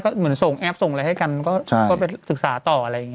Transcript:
เหมือนส่งแอปส่งอะไรให้กันก็ไปศึกษาต่ออะไรอย่างนี้